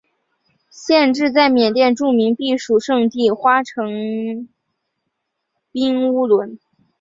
县治在缅甸著名避暑胜地花城彬乌伦。